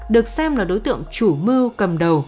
được xem là đối tượng chủ mưu cầm đầu